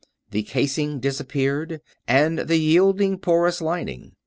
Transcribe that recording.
The casing disappeared, and the yielding porous lining.